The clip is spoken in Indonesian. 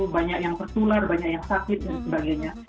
banyak yang tertular banyak yang sakit dan sebagainya